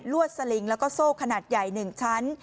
วดสลิงแล้วก็โซ่ขนาดใหญ่๑ชั้น